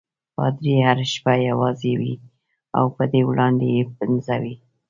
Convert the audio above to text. پادري هره شپه یوازې وي او په وړاندې یې پنځه وي.